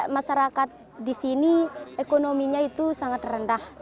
masyarakat disini ekonominya itu sangat rendah